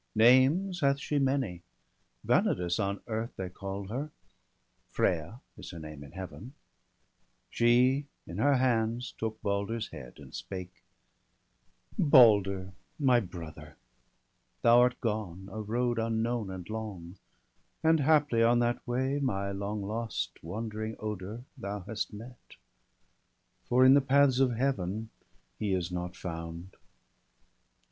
Names hath she many; Vanadis on earth They call her, Freya is her name in Heaven ; She in her hands took Balder's head, and spake :— 'Balder, my brother, thou art gone a road Unknown and long, and haply on that way My long lost wandering Oder thou hast met, For in the paths of Heaven he is not found.